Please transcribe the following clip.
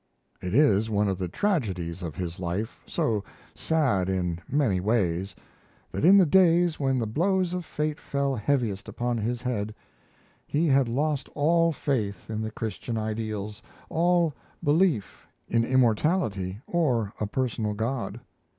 It is one of the tragedies of his life, so sad in many ways, that in the days when the blows of fate fell heaviest upon his head, he had lost all faith in the Christian ideals, all belief in immortality or a personal God.